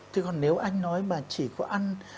thế còn nếu anh nói mà chỉ có ăn